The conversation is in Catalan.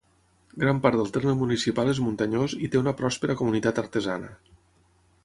Gran part del terme municipal és muntanyós i té una pròspera comunitat artesana.